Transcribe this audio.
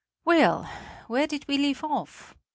Well, where did we leave off?